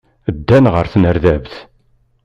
Ddan ɣer tnerdabt.